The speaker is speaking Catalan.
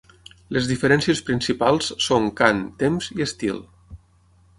Les diferències principals són cant, temps i estil.